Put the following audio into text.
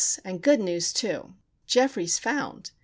and good news, too. Geoffrey is found!